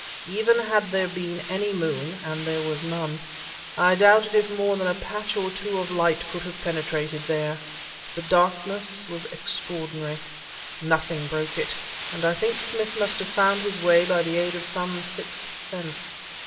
Even had there been any moon (and there was none) I doubted if more than a patch or two of light could have penetrated there. The darkness was extraordinary. Nothing broke it, and I think Smith must have found his way by the aid of some sixth sense.